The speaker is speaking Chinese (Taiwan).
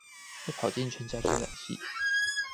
會跑進全家吹冷氣